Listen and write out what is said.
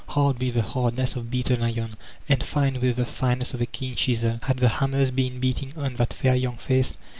Hard with the hardness of beaten iron, and fine with the fineness of a keen chisel. Had the hammers been beating on that fair young face?